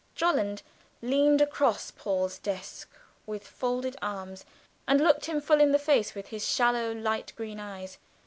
Jolland leaned across Paul's desk with folded arms and looked him full in the face with his shallow light green eyes.